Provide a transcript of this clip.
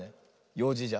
ようじじゃ。